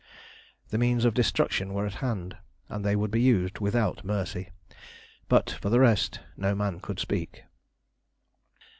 The means of destruction were at hand, and they would be used without mercy, but for the rest no man could speak.